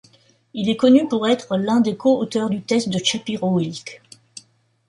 Il est connu pour être l'un des co-auteurs du Test de Shapiro-Wilk.